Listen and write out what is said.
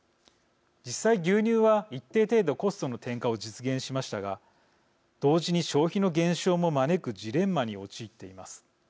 実際、牛乳は一定程度コストの転嫁を実現しましたが同時に消費の減少も招くジレンマに陥っています。